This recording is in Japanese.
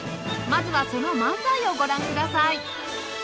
まずはその漫才をご覧ください